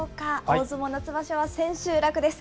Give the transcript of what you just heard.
大相撲夏場所は千秋楽です。